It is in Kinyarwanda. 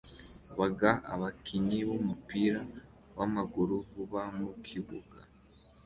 Baga Abakinnyi bumupira wamaguru vuba mukibuga